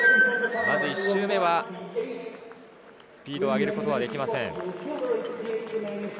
まず１周目は、スピードを上げることはできません。